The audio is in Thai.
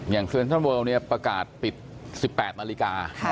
อย่างเซอร์นชั่นเวอร์ประกาศปิด๑๘นาฬิกา